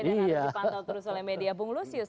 dan harus dipantau terus oleh media bung lusius